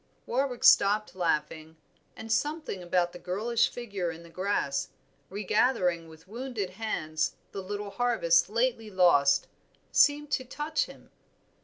Warwick stopped laughing, and something about the girlish figure in the grass, regathering with wounded hands the little harvest lately lost, seemed to touch him.